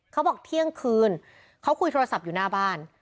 เขาบอกเที่ยงคืนเขาคุยโทรศัพท์อยู่หน้าบ้าน